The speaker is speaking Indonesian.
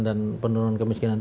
dan pendurungan kemiskinan